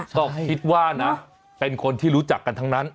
ก็คิดว่านะเป็นคนที่รู้จักกันทั้งนั้น